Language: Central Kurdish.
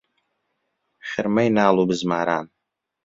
خرمەی ناڵ و بزماران